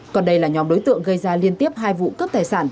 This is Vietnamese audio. còn đây là nhóm đối tượng gây ra liên tiếp hai vụ cướp tài sản